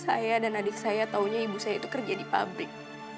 saya dan adik saya taunya ibu saya itu kerja di pabrik